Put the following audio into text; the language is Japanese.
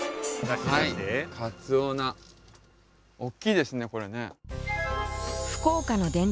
かつお菜おっきいですねこれね。